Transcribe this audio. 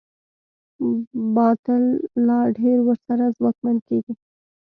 باطل لا ډېر ورسره ځواکمن کېږي.